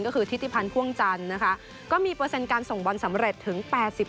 ก็คือทิติพันธ์พ่วงจันทร์นะคะก็มีเปอร์เซ็นต์การส่งบอลสำเร็จถึง๘๐